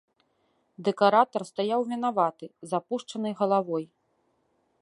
Дэкаратар стаяў вінаваты, з апушчанай галавой.